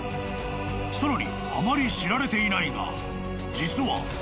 ［さらにあまり知られていないが実は］